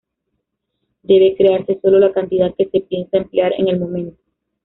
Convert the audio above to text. Debe crearse sólo la cantidad que se piensa emplear en el momento.